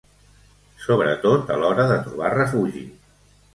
Sobretot a l'hora de trobar refugi.